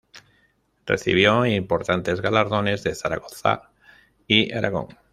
Recibió importantes galardones de Zaragoza y Aragón.